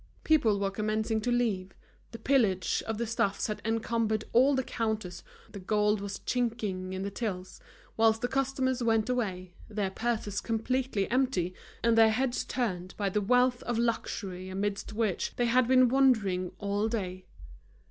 People were commencing to leave, the pillage of the stuffs had encumbered all the counters, the gold was chinking in the tills; whilst the customers went away, their purses completely empty, and their heads turned by the wealth of luxury amidst which they had been wandering all day.